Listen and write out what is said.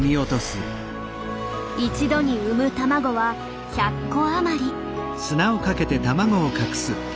一度に産む卵は１００個余り。